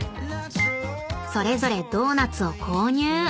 ［それぞれドーナツを購入。